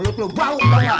mulut lo bau tau gak